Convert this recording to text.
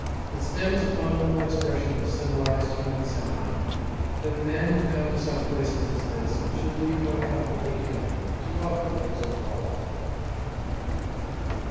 It stems a fundamental expression of civilised human sentiment that men who come to such places as this should leave what comfort they can to welcome those who follow.